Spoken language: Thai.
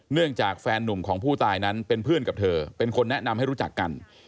จากแฟนนุ่มของผู้ตายนั้นเป็นเพื่อนกับเธอเป็นคนแนะนำให้รู้จักกัน